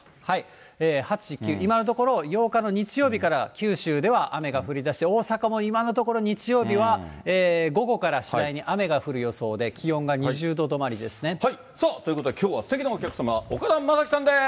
８、９、今のところ、８日の日曜日から九州では雨が降りだして、大阪も今のところ、日曜日は午後から次第に雨が降る予想で、さあ、ということで、きょうはすてきなお客様、岡田将生さんです。